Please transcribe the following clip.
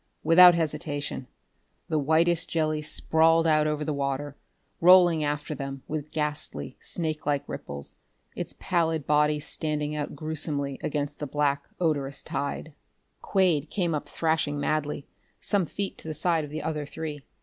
Without hesitation, the whitish jelly sprawled out over the water, rolling after them with ghastly, snake like ripples, its pallid body standing out gruesomely against the black, odorous tide. Quade came up thrashing madly, some feet to the side of the other three.